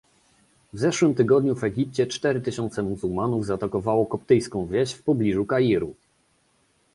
W zeszłym tygodniu w Egipcie cztery tysiące muzułmanów zaatakowało koptyjską wieś w pobliżu Kairu